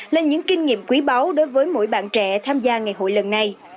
là những kinh nghiệm quý báu đối với mỗi bạn trẻ tham gia ngày hội lần này